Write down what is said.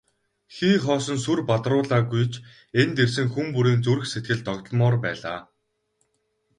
Хий хоосон сүр бадруулаагүй ч энд ирсэн хүн бүрийн зүрх сэтгэл догдолмоор байлаа.